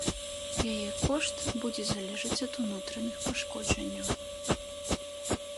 Яе кошт будзе залежаць ад унутраных пашкоджанняў.